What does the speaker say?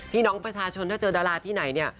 พี่น้องประชาชนถ้าเจอดาราที่ไหนเนี่ย